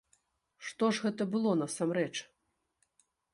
Што ж гэта было насамрэч?